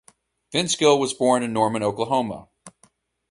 Vince Gill was born in Norman, Oklahoma.